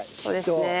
そうですね。